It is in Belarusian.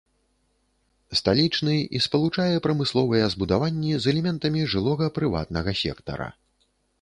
Сталічны і спалучае прамысловыя збудаванні з элементамі жылога прыватнага сектара.